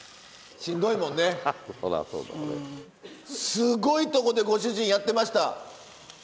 すごいとこでご主人やってました。